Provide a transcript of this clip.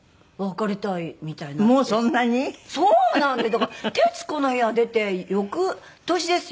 だから『徹子の部屋』出て翌年ですよ。